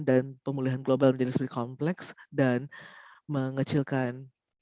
dan pemulihan global menjadi sering kompleks dan mengecilkan